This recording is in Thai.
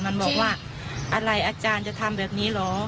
มันบอกว่าอะไรอาจารย์จะทำแบบนี้เหรอ